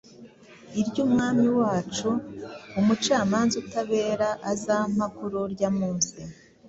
iryo Umwami wacu, umucamanza utabera azampa kuri urya munsi,